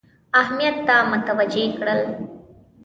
اهمیت ته متوجه کړل.